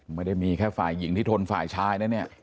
ไม่ได้มีแค่ฝ่ายหญิงที่ทนฝ่ายชายนะเนี่ย